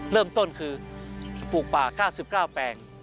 เริ่มต้นคือปลูกป่า๙๙แปลง